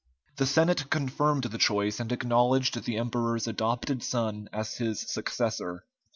The Senate confirmed the choice, and acknowledged the emperor's adopted son as his successor.